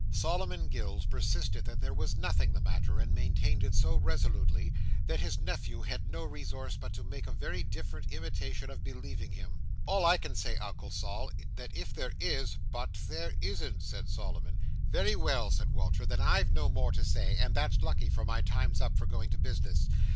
Solomon Gills persisted that there was nothing the matter; and maintained it so resolutely, that his nephew had no resource but to make a very indifferent imitation of believing him. "All I can say is, Uncle Sol, that if there is—" "But there isn't," said Solomon. "Very well," said Walter. "Then I've no more to say; and that's lucky, for my time's up for going to business.